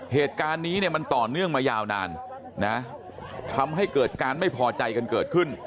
เหตุการณ์นี้เนี่ยมันต่อเนื่องมายาวนานนะทำให้เกิดการไม่พอใจกันเกิดขึ้น